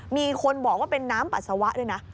มีคนบอกว่าเป็นน้ำปัสสาวะด้วยนะ